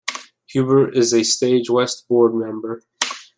Huber is a Stage West board member.